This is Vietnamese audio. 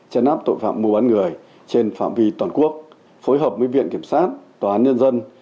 chấn áp tội phạm mua bán người trên phạm vi toàn quốc phối hợp với viện kiểm sát tòa án nhân dân